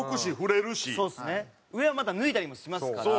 上はまた脱いだりもしますから。